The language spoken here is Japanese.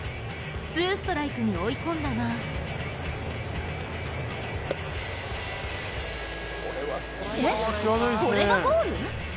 ツーストライクに追い込んだがえっ、これがボール？